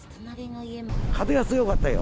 風は強かったよ。